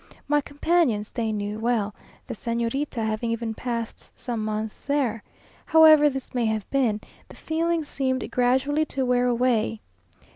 My companions they knew well; the Señorita having even passed some months there. However this may have been, the feeling seemed gradually to wear away.